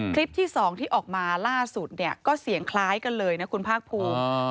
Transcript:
คลิปที่๒ที่ออกมาล่าสุดเนี่ยก็เสียงคล้ายกันเลยนะคุณภาคภูมิ